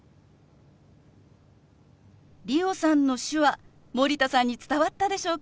理央さんの手話森田さんに伝わったでしょうか？